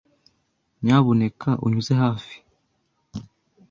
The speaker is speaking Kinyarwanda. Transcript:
Nyamuneka unyuze hafi.